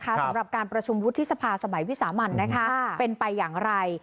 สำหรับการประชุมวุฒิสภาสมัยวิสามันเป็นไปอย่างไร